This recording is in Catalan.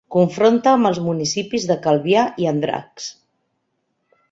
Confronta amb els municipis de Calvià i Andratx.